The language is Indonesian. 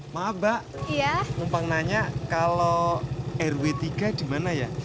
maaf mbak numpang nanya kalau rw tiga dimana ya